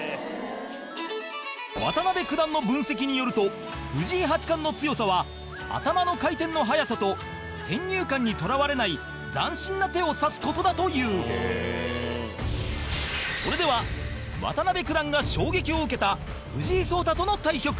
渡辺九段の分析によると藤井八冠の強さは頭の回転の速さと先入観にとらわれない斬新な手を指す事だというそれでは渡辺九段が衝撃を受けた藤井聡太との対局